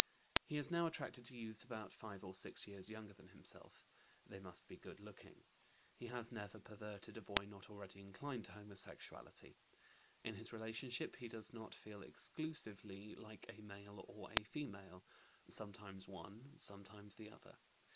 He is now attracted to youths about 5 or 6 years younger than himself; they must be good looking. He has never perverted a boy not already inclined to homosexuality. In his relationship he does not feel exclusively like a male or a female: sometimes one, sometimes the other.